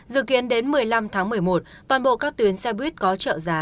dự kiến đến một mươi năm tháng một mươi một toàn bộ các tuyến xe buýt có trợ giá